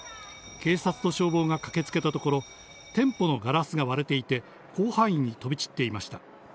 警察と消防が駆けつけたところ、店舗のガラスが割れていて、広範囲に飛び散っていました。